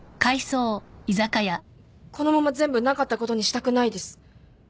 このまま全部なかったことにしたくないです